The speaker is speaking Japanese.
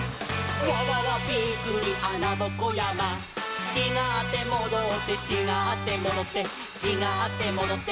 「わわわびっくりあなぼこやま」「ちがってもどって」「ちがってもどってちがってもどって」